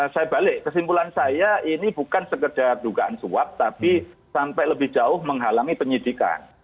saya balik kesimpulan saya ini bukan sekedar dugaan suap tapi sampai lebih jauh menghalangi penyidikan